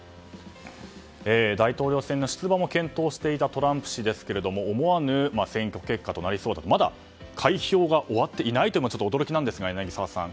大統領選の出馬も検討していたトランプ氏ですが思わぬ選挙結果となりそうというかまだ開票が終わっていないというのがちょっと驚きなんですが柳澤さん